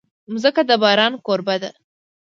مځکه د باران کوربه ده.